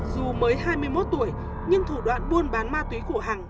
dù mới hai mươi một tuổi nhưng thủ đoạn buôn bán ma túy của hằng